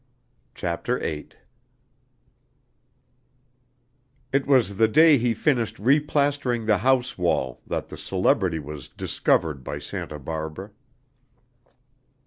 CHAPTER VIII It was the day he finished re plastering the house wall, that the celebrity was "discovered" by Santa Barbara.